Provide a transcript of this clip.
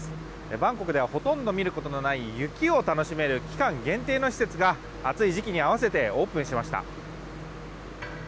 バンコクではほとんど見ることのない雪を楽しめる期間限定の施設が暑い時期に合わせてオープンしました。